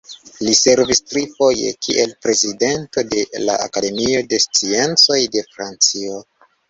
Li servis tri foje kiel prezidento de la Akademio de Sciencoj de Francio.